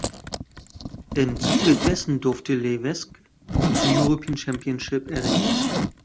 Im Zuge dessen durfte Levesque auch die European Championship erringen.